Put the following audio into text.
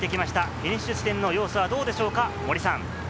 フィニッシュ地点はどうでしょうか？